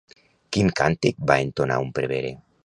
Quin càntic va entonar un prevere?